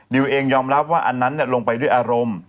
เองยอมรับว่าอันนั้นลงไปด้วยอารมณ์